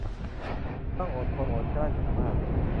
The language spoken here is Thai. ต้องอดทนอดกลั้นอย่างมาก